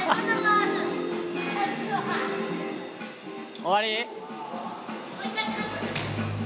終わり？